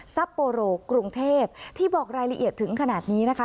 ซัปโปโรกรุงเทพที่บอกรายละเอียดถึงขนาดนี้นะคะ